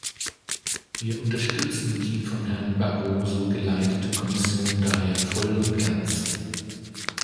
Wir unterstützen die von Herrn Barroso geleitete Kommission daher voll und ganz.